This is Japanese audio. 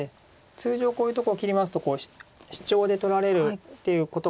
通常こういうとこ切りますとシチョウで取られるっていうことがよくあるんですが。